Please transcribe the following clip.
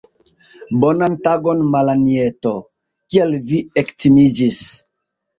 Bonan tagon, Malanjeto, kial vi ektimiĝis?